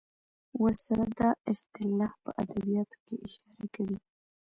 ورسره دا اصطلاح په ادبیاتو کې اشاره کوي.